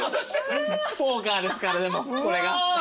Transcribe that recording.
ポーカーですからでもこれが。